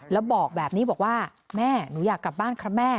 แล้วบอกแบบนี้บอกว่าแม่หนูอยากกลับบ้านครับแม่